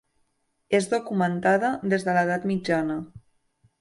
És documentada des de l’edat mitjana.